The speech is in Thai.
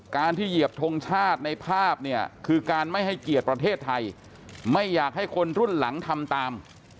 การที่เหยียบทงชาติในภาพเนี่ยคือการไม่ให้เกียรติประเทศไทยไม่อยากให้คนรุ่นหลังทำตาม